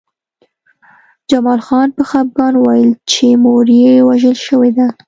جمال خان په خپګان وویل چې مور یې وژل شوې ده